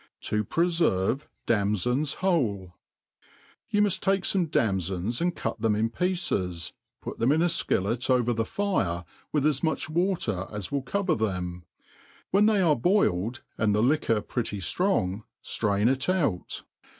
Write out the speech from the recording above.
'' s To prefirve Damfons whok^ YOU muft take fome damfons and cut them in pieces, put them in a fldllet over the fire, with as much water as will co . ver them. When they are boiled, and the liquor pretty ftrong, ftrain it out.